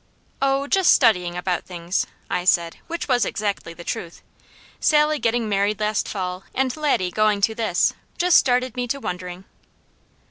"Oh just studying about things," I said, which was exactly the truth. "Sally getting married last fall, and Laddie going to this, just started me to wondering."